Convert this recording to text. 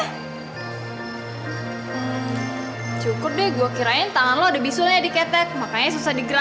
hmm cukup deh gue kirain tangan lo ada bisulnya diketek makanya susah digerakin